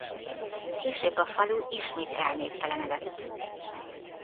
Később a falu ismét elnéptelenedett.